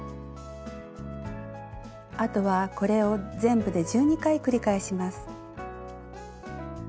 あとはこれを全部で１２回繰り返します。